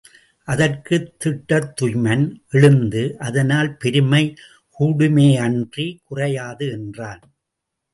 அதற்குத் திட்டத்துய்மன் எழுந்து, அதனால் பெருமை கூடுமேயன்றிக் குறையாது என்றான்.